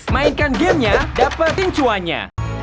mainkan gamenya dapat pincuannya